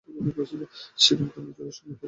তিনি সেখানে নজরুল সঙ্গীত পরিবেশনা করেন।